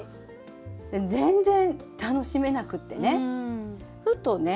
で全然楽しめなくってねふとね